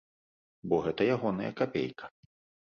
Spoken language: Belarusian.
Бо гэта ягоная капейка.